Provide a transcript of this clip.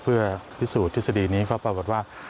เพื่อพิสูจน์ทฤษฎีนี้ก็ปรากฏว่า